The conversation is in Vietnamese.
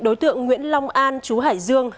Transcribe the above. đối tượng nguyễn long an chú hải dương